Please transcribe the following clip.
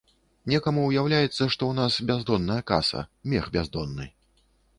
Некаму ўяўляецца, што ў нас бяздонная каса, мех бяздонны.